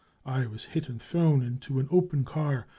... I was hit and thrown into an open car.